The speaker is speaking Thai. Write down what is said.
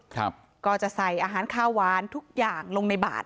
ครับก็จะใส่อาหารข้าวหวานทุกอย่างลงในบาท